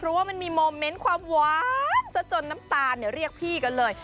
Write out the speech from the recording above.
เพราะว่ามันมีโมเมนต์ความหวานซะจนน้ำตาลเรียกพี่กันเลย